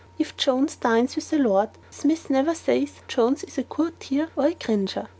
If Jones dines with a lord, Smith never says Jones is a courtier and cringer.